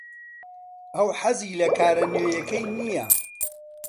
ئەو حەزی لە کارە نوێیەکەی نییە.